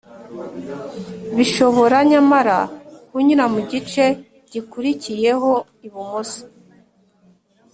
bishobora nyamara kunyura mu gice gikurikiyeho ibumoso